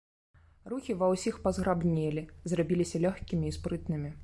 Рухі ва ўсіх пазграбнелі, зрабіліся лёгкімі і спрытнымі.